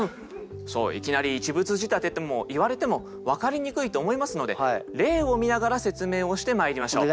いきなり一物仕立てと言われても分かりにくいと思いますので例を見ながら説明をしてまいりましょう。